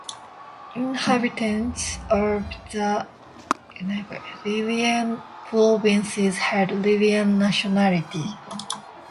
Inhabitants of the Illyrian Provinces had Illyrian nationality.